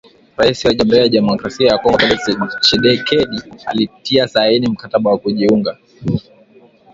Rais wa Jamhuri ya kidemokrasia ya Kongo Felix Tchisekedi alitia saini mkataba wa kujiunga.